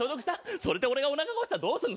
それで俺がおなか壊したらどうすんの？